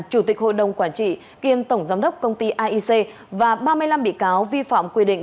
chủ tịch hội đồng quản trị kiêm tổng giám đốc công ty aic và ba mươi năm bị cáo vi phạm quy định